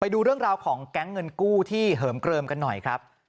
ดูเรื่องราวของแก๊งเงินกู้ที่เหิมเกลิมกันหน่อยครับ